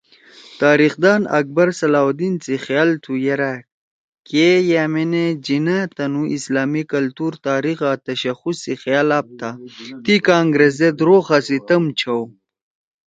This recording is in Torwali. تاریخ دان اکبر صلاح الدین سی خیال تُھو یرأ، ” کے یأمینے جناح ئے تنُو اسلامی کلتُور، تاریخ آں تشخص سی خیال آپتا تی کانگرس سیت روغا سی تَم چھؤ